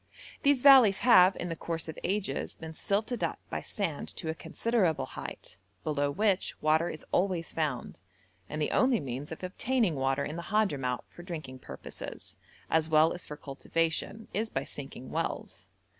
These valleys have, in the course of ages, been silted up by sand to a considerable height, below which water is always found, and the only means of obtaining water in the Hadhramout for drinking purposes, as well as for cultivation, is by sinking wells.